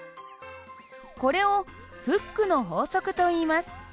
これをフックの法則といいます。